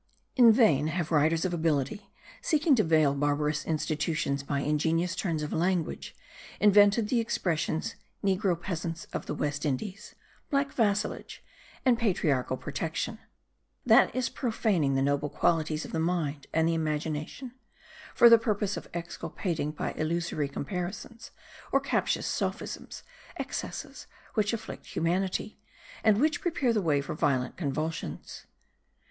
In vain have writers of ability, seeking to veil barbarous institutions by ingenious turns of language, invented the expressions negro peasants of the West Indies, black vassalage, and patriarchal protection: that is profaning the noble qualities of the mind and the imagination, for the purpose of exculpating by illusory comparisons or captious sophisms excesses which afflict humanity, and which prepare the way for violent convulsions.